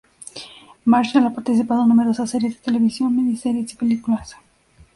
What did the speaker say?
Marshall ha participado en numerosas series de televisión, miniseries y películas.